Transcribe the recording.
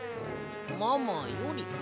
ママより」。